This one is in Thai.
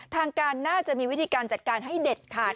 ทางการน่าจะมีวิธีการจัดการให้เด็ดขาด